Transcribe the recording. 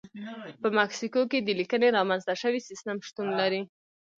په مکسیکو کې د لیکنې رامنځته شوی سیستم شتون لري.